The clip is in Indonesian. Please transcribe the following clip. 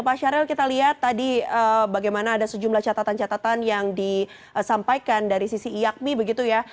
pak syaril kita lihat tadi bagaimana ada sejumlah catatan catatan yang disampaikan dari sisi iakmi begitu ya